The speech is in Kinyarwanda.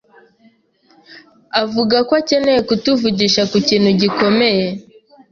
avuga ko akeneye kutuvugisha ku kintu gikomeye.